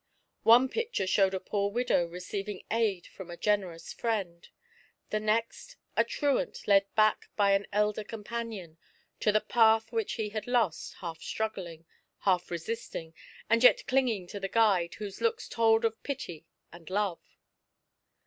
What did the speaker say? One picture showed a poor widow receiving aid from a generous friend ; the next, a truant led back by an elder companion to the path which he had lost, half struggling, half resisting and yet clinging to the guide, whose looks told of pity and love.